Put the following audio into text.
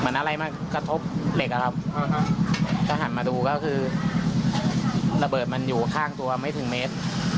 เหมือนอะไรมากที่กระทบเหล็กว่าถ้าถัดมาดูก็คือระเบิดมันอยู่ทางตัวไม่ถึงเมศ